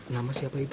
nama siapa ibu